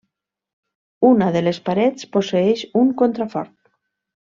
Una de les parets posseeix un contrafort.